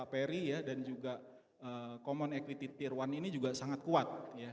oleh pak perry dan juga common equity tier satu ini juga sangat kuat